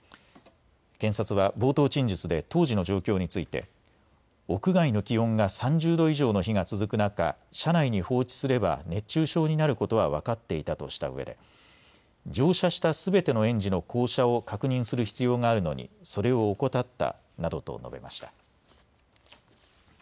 検察は冒頭陳述で当時の状況について屋外の気温が３０度以上の日が続く中、車内に放置すれば熱中症になることは分かっていたとしたうえで乗車したすべての園児の降車を確認する必要があるのにそれを怠った、などと述べました。